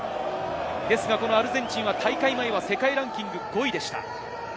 ですが、アルゼンチンは大会前は世界ランキング５位でした。